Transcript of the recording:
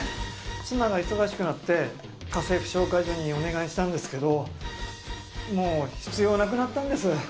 妻が忙しくなって家政婦紹介所にお願いしたんですけどもう必要なくなったんです。